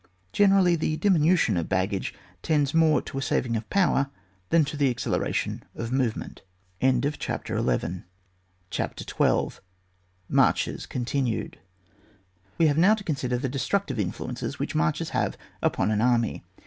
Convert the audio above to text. Generally the diminution of baggage tends more to a saving of power than to the acceleration of movement. CHAPTER XII. MARCHES (Contixited). Ws have now to consider the destructive influence which marches have upon an army.